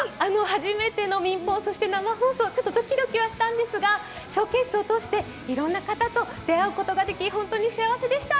初めての民放、そして生放送、ドキドキだったんですが、ＳＨＯＷＣＡＳＥを通して、いろんな方と出会うことができ、本当に幸せでした。